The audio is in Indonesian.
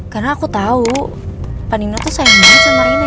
karena aku tau pak nino tuh sayang banget sama rena